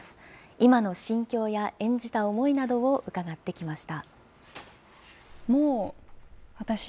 今の心境や演じた思いなどを伺ってきました。